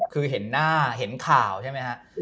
คือเห็นหน้าเห็นข่าวใช่ไหมฮะ